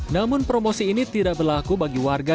namun promosi ini tidak berlaku bagi warga